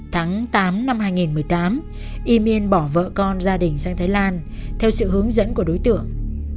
tháng tám năm hai nghìn một mươi tám y miên bỏ vợ con gia đình sang thái lan theo sự hướng dẫn của đối tượng